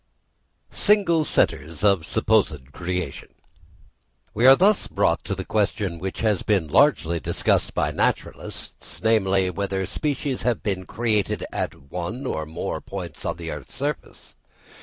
Single Centres of supposed Creation.—We are thus brought to the question which has been largely discussed by naturalists, namely, whether species have been created at one or more points of the earth's surface.